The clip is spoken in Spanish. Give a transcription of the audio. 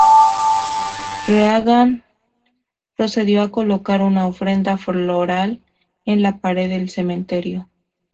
Reagan procedió a colocar una ofrenda floral en la pared del cementerio.